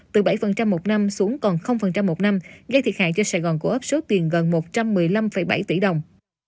từ bảy một năm xuống còn một năm gây thiệt hại cho sài gòn cổ ốc số tiền gần một trăm một mươi năm bảy tỷ đồng